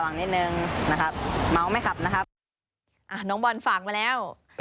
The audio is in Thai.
น้องบอนฝากมาแล้ว